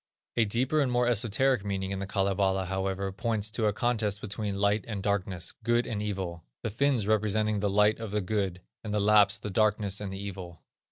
A deeper and more esoteric meaning of the Kalevala, however, points to a contest between Light and Darkness, Good and Evil; the Finns representing the Light and the Good, and the Lapps, the Darkness and the Evil.